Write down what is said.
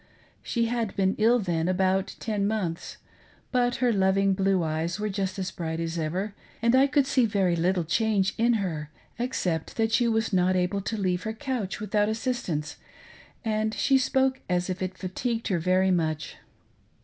She had been ill then about ten ihonths; but her loving blue eyes were just as bright as ever, and I could see very little change in her, except that she was not able now to leave her couch without assistance, and she spoke as if it fatigued her very much.